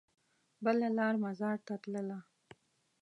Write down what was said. بله لار مزار ته تلله.